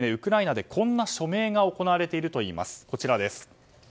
こうした状況で今ウクライナでこんな署名が行われているといいます。